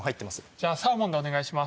じゃあサーモンでお願いします。